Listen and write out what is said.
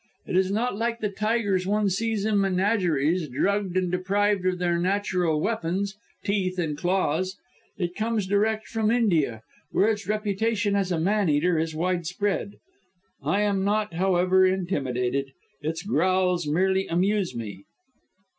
It is not like the tigers one sees in menageries, drugged and deprived of their natural weapons teeth and claws. It comes direct from India, where its reputation as a man eater is widespread. I am not, however, intimidated its growls merely amuse me."